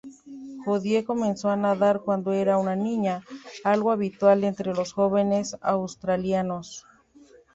Jodie comenzó a nadar cuando era una niña, algo habitual entre los jóvenes australianos.